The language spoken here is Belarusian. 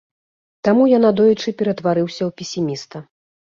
Таму я надоечы ператварыўся ў песіміста.